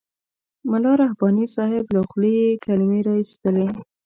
ملا رحماني صاحب له خولې یې کلمې را اېستلې.